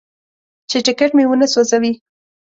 چې ټکټ مې ونه سوځوي.